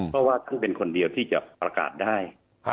เพราะว่าคือเป็นคนเดียวที่จะประกาศได้